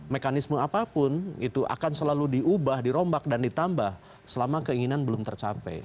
mekanisme apapun itu akan selalu diubah dirombak dan ditambah selama keinginan belum tercapai